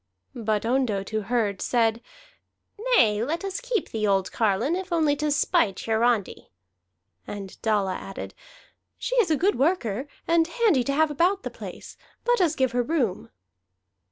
But Ondott, who heard, said: "Nay, let us keep the old carline, if only to spite Hiarandi." And Dalla added: "She is a good worker, and handy to have about the place. Let us give her room."